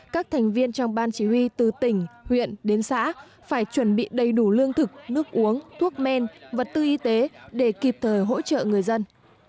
các thành viên trong ban chỉ huy từ tỉnh huyện đến xã phải chuẩn bị đầy đủ lương thực nước uống thuốc men vật tư y tế để kịp thời hỗ trợ người dân